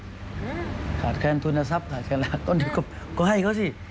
อาวุธขาดแขนทุนทรัพย์ขาดแขนหลักตอนนี้ก็ให้เขาสิ